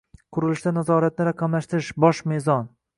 Qurilishda nazoratni raqamlashtirish – bosh mezon